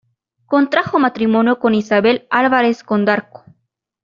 Contrajo matrimonio con Isabel Álvarez Condarco.